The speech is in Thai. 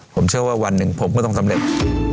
ผมเชื่อว่าวันหนึ่งผมก็ต้องสำเร็จ